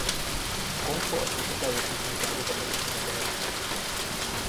A komfort és a teljesítmény-felhozatal is növekedett.